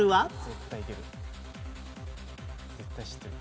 絶対知ってる。